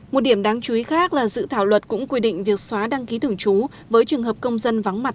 một điểm đáng chú ý khác là dự thảo luật cũng quy định việc xóa đăng ký thường trú với trường hợp công dân vắng mặt